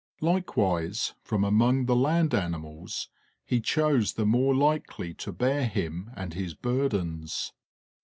Likewise, from among the land animals he chose the more likely to bear him and his burdens.